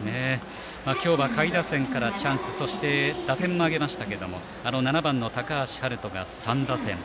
今日は下位打線からチャンスそして打点も挙げましたが７番の高橋陽大が３打点。